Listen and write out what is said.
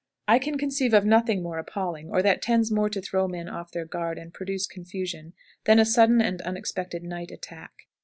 I can conceive of nothing more appalling, or that tends more to throw men off their guard and produce confusion, than a sudden and unexpected night attack.